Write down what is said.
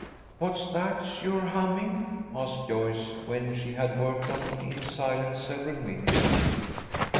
"What's that you're humming?" asked Joyce, when she had worked on in silence several minutes.